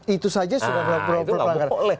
itu saja sudah berlangganan